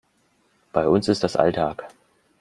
Bei uns ist das Alltag.